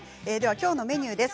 きょうのメニューです。